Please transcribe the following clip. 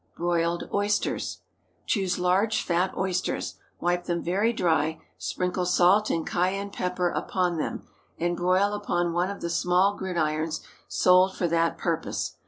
BROILED OYSTERS. ✠ Choose large, fat oysters; wipe them very dry; sprinkle salt and cayenne pepper upon them, and broil upon one of the small gridirons sold for that purpose.